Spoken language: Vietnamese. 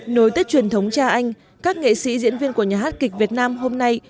nối tết truyền thống cha anh các nghệ sĩ diễn viên của nhà hát kịch việt nam hôm nay